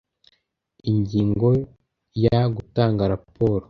ingingo ya gutanga raporo